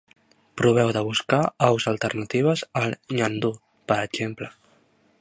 Proveu de buscar aus alternatives al nyandú, per exemple.